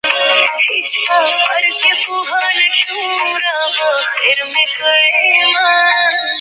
They believe in their abilities and trust themselves to make the right decisions.